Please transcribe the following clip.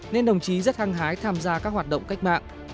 nên đồng chí rất hăng hái tham gia các hoạt động cách mạng